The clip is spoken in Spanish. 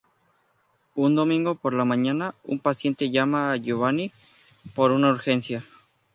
Un domingo por la mañana, un paciente llama a Giovanni por una urgencia.